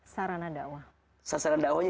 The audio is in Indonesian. sarana dakwah sasaran dakwahnya